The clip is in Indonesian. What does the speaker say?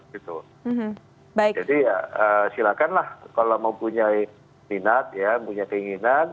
jadi ya silakan lah kalau mau punya minat punya keinginan